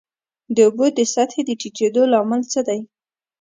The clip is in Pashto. د اوبو د سطحې د ټیټیدو لامل څه دی؟